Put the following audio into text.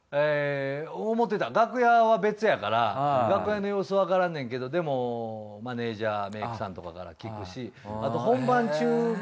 楽屋は別やから楽屋の様子わからんねんけどでもマネージャーメイクさんとかから聞くし